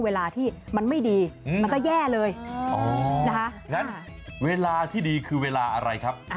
เวลาที่ดีคือเวลาอะไรครับ